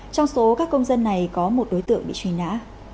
trong số các công dân này có một đối tượng bị truy nã